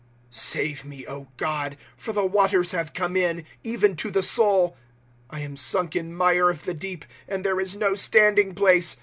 1 Save me, God, For the waters have come in, even to the soul, ^ I am sunk in mire of the deep, and there is no standing place.